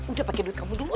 udah pake duit kamu dulu